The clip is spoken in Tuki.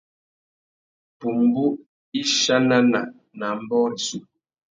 Pumbú i chanana nà ambōh rissú.